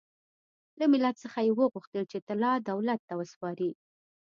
له ملت څخه یې وغوښتل چې طلا دولت ته وسپاري.